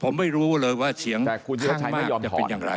ผมไม่รู้เลยว่าเสียงข้างมากจะเป็นอย่างไร